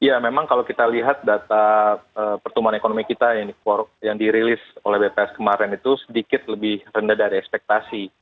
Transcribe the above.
ya memang kalau kita lihat data pertumbuhan ekonomi kita yang dirilis oleh bps kemarin itu sedikit lebih rendah dari ekspektasi